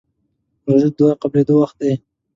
روژه د دعا قبولېدو وخت دی.